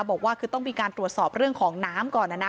บอกว่าคือต้องมีการตรวจสอบเรื่องของน้ำก่อนนะนะ